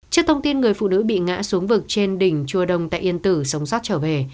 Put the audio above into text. trước thông tin người phụ nữ bị ngã xuống vực trên đỉnh chùa đông tại yên tử sống sót trở về